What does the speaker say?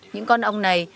những con ong này